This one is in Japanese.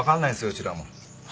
うちらも。